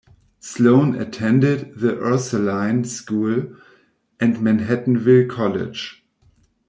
Sloan attended The Ursuline School and Manhattanville College.